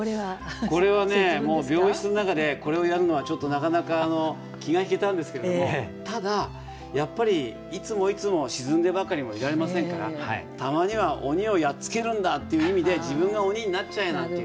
これはね病室の中でこれをやるのはちょっとなかなか気が引けたんですけれどもただやっぱりいつもいつも沈んでばかりもいられませんからたまには鬼をやっつけるんだ！っていう意味で自分が鬼になっちゃえ！なんていう。